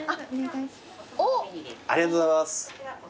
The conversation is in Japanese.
ありがとうございます。